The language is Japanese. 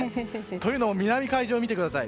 というのも南海上を見てください。